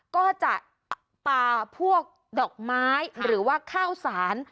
ก็จะปลาพวกดอกไม้หรือว่าข้าวสาร